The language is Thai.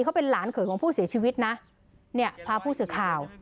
เขาเป็นหลานเขยของผู้เสียชีวิตนะเนี่ยพาผู้สื่อข่าว